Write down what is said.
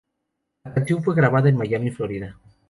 La canción fue grabada en Miami, Florida.